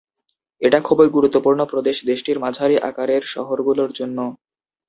এটা খুবই গুরুত্বপূর্ণ প্রদেশ দেশটির মাঝারি আকারের শহরগুলোর জন্য।